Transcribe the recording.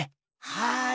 はい。